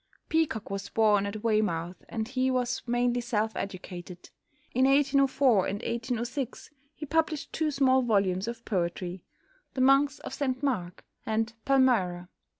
Peacock was born at Weymouth, and he was mainly self educated. In 1804 and 1806 he published two small volumes of poetry, "The Monks of St Mark" and "Palmyra."